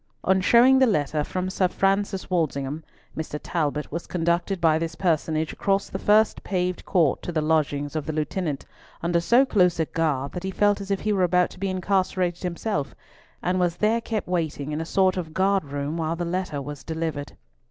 On showing the letter from Sir Francis Walsingham, Mr. Talbot was conducted by this personage across the first paved court to the lodgings of the Lieutenant under so close a guard that he felt as if he were about to be incarcerated himself, and was there kept waiting in a sort of guard room while the letter was delivered.